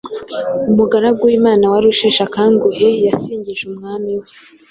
umugaragu w’imana wari usheshe akanguhe yasingije umwami we